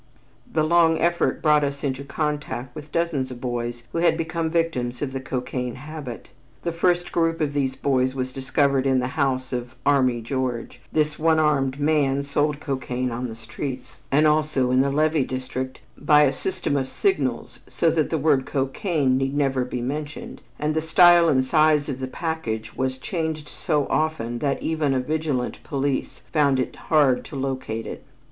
The long effort brought us into contact with dozens of boys who had become victims of the cocaine habit. The first group of these boys was discovered in the house of "Army George." This one armed man sold cocaine on the streets and also in the levee district by a system of signals so that the word cocaine need never be mentioned, and the style and size of the package was changed so often that even a vigilant police found it hard to locate it.